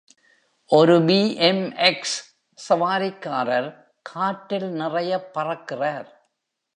ஒரு பிஎம்எக்ஸ் சவாரிக்காரர் காற்றில் நிறையப் பறக்கிறார்.